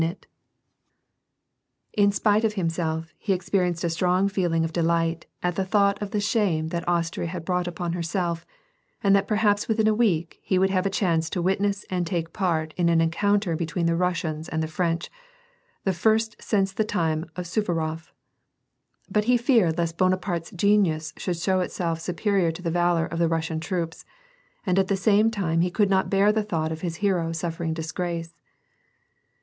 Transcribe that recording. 147 in it In spite of himself he^e^erienced a strong feeling of delight at the thought of the shame that Austria had brought upon herself, and that perhaps within a week he would havt^ a chance to witness and take part in an encounter between the Russians and the French, the first since the time of Suvarof. But he feared lest Bonaparte's genius should show itself superior to the valor of the Russian troops, and at the same time he could not bear the thought of his hero suffering disgrace.